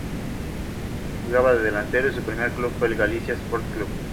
Jugaba de delantero y su primer club fue el Galicia Sport Club.